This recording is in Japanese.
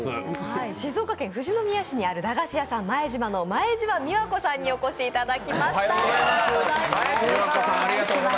静岡県富士宮市にある駄菓子屋の前島の前島美和子さんにお越しいただきました。